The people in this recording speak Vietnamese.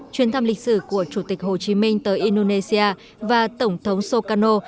chuyên thăm lịch sử của chủ tịch hồ chí minh tới indonesia và tổng thống soekarno